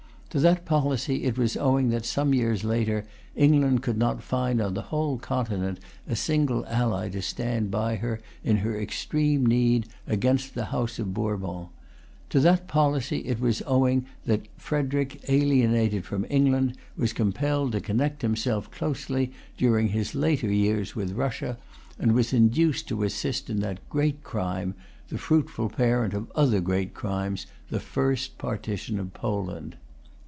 To that policy it was owing that, some years later, England could not find on the whole Continent a single ally to stand by her, in her extreme need, against the House of Bourbon. To that policy it was owing that Frederic,[Pg 327] alienated from England, was compelled to connect himself closely, during his later years, with Russia, and was induced to assist in that great crime, the fruitful parent of other great crimes, the first partition of Poland.